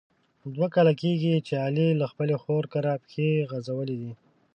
دوه کاله کېږي چې علي له خپلې خور کره پښې غزولي دي.